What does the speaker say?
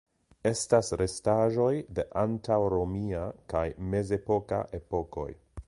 Estas restaĵoj de antaŭromia kaj mezepoka epokoj.